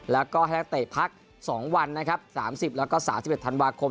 แล้วก็ให้นักเตะพัก๒วันนะครับ๓๐แล้วก็๓๑ธันวาคม